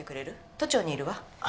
都庁にいるわ。